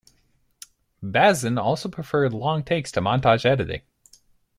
Bazin also preferred long takes to montage editing.